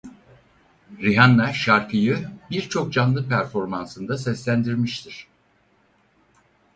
Rihanna şarkıyı birçok canlı performansında seslendirmiştir.